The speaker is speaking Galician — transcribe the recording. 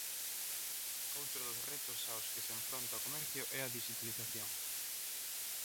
Outro dos retos aos que se enfronta o comercio é á dixitalización.